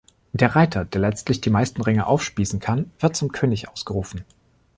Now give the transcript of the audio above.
Der Reiter, der letztlich die meisten Ringe aufspießen kann, wird zum "König" ausgerufen.